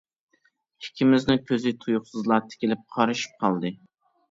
ئىككىمىزنىڭ كۆزى تۇيۇقسىزلا تىكىلىپ قارىشىپ قالدى.